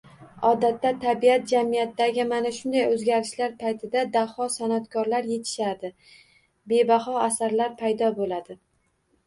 Odatda, tabiat, jamiyatdagi mana shunday oʻzgarishlar paytida daho sanʼatkorlar yetishadi, bebaho asarlar paydo boʻladi.